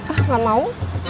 ah gak mau